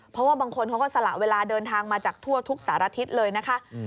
เพราะว่าบางคนเขาก็สละเวลาเดินทางมาจากทั่วทุกสารทิศเลยนะคะ